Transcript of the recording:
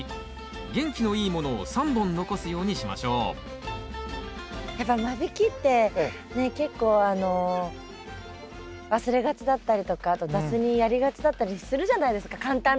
元気のいいものを３本残すようにしましょうやっぱ間引きって結構忘れがちだったりとかあと雑にやりがちだったりするじゃないですか簡単なので。